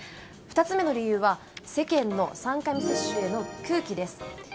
２つ目の理由は世間の３回目接種への空気です。